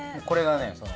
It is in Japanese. これがね